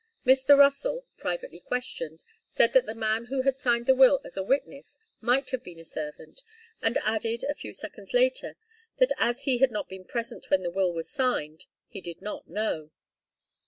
Mr. Russell, privately questioned, said that the man who had signed the will as a witness might have been a servant, and added, a few seconds later, that as he had not been present when the will was signed, he did not know.